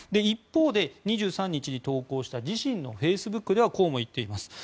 一方で２３日に投稿した自信のフェイスブックではこうも言っています。